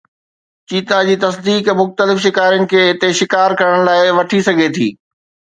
چيتا جي تصديق مختلف شڪارين کي هتي شڪار ڪرڻ لاءِ وٺي سگهي ٿي